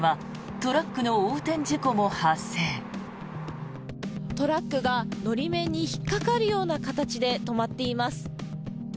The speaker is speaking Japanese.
トラックが法面に引っかかるような形で止まっています。